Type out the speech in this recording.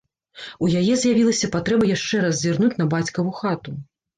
У яе з'явілася патрэба яшчэ раз зірнуць на бацькаву хату.